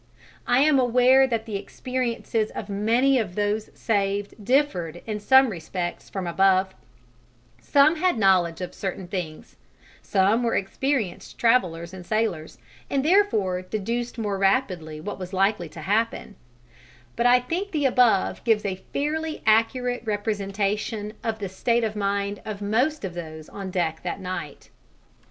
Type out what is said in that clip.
I am aware that the experiences of many of those saved differed in some respects from the above: some had knowledge of certain things, some were experienced travellers and sailors, and therefore deduced more rapidly what was likely to happen; but I think the above gives a fairly accurate representation of the state of mind of most of those on deck that night.